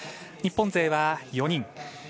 日本勢は４人。